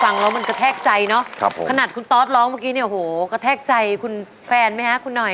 ฟังแล้วมันกระแทกใจเนาะขนาดคุณตอสร้องเมื่อกี้เนี่ยโหกระแทกใจคุณแฟนไหมฮะคุณหน่อย